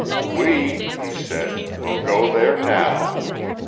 "We," he said, "will go there now!"